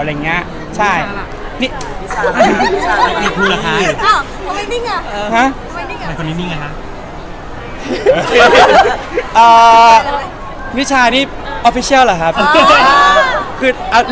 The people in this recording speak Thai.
พี่เห็นไอ้เทรดเลิศเราทำไมวะไม่ลืมแล้ว